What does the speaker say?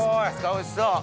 おいしそう！